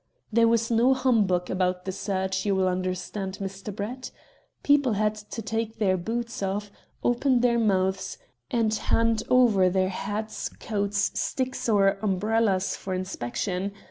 There was no humbug about the search, you will understand, Mr. Brett. People had to take their boots off, open their mouths, and hand over their hats, coats, sticks, or umbrellas for inspection.